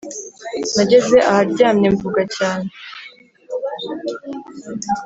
nageze aharyamye mvuga cyane